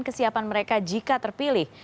kesiapan mereka jika terpilih